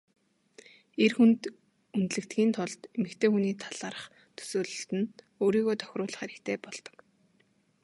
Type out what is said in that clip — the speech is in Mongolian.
Эр хүнд үнэлэгдэхийн тулд эмэгтэй хүний талаарх төсөөлөлд нь өөрийгөө тохируулах хэрэгтэй болдог.